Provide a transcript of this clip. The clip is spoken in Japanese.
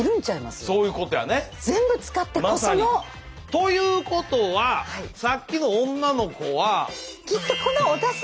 ということはさっきの女の子は。